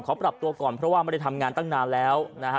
ปรับตัวก่อนเพราะว่าไม่ได้ทำงานตั้งนานแล้วนะฮะ